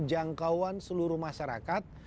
jangkauan seluruh masyarakat